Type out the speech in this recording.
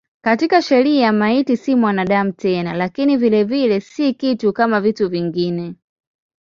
Katika sheria maiti si mwanadamu tena lakini vilevile si kitu kama vitu vingine.